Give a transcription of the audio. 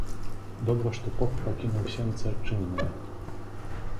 Добра, што поп пакінуў сенцы адчыненыя.